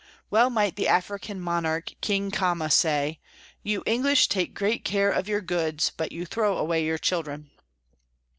Well might the African monarch, King Khama, say, " You English take great care of your goods, but you throw away your children."